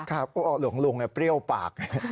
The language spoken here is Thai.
ครับก็หลวงลุงเปรี้ยวปาก